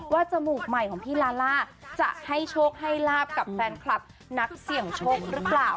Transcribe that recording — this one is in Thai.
จมูกใหม่ของพี่ลาล่าจะให้โชคให้ลาบกับแฟนคลับนักเสี่ยงโชคหรือเปล่า